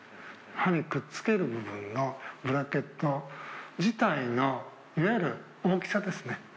歯にくっつける部分のブラケット自体のいわゆる大きさですね。